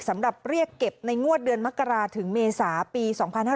สำหรับเรียกเก็บในงวดเดือนมักราศถึงเมษาปี๒๕๖๗